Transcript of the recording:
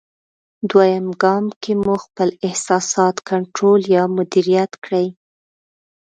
دوېم ګام کې مو خپل احساسات کنټرول یا مدیریت کړئ.